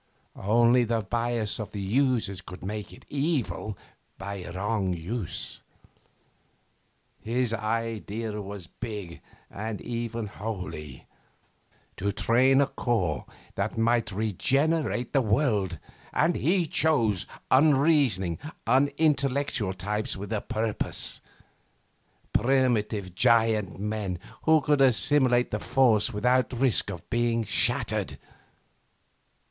Only the bias of the users could make it "evil" by wrong use. His idea was big and even holy to train a corps that might regenerate the world. And he chose unreasoning, unintellectual types with a purpose primitive, giant men who could assimilate the force without risk of being shattered.